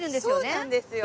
そうなんですよ。